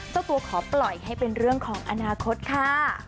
เจ้าตัวขอปล่อยให้เป็นเรื่องของอนาคตค่ะ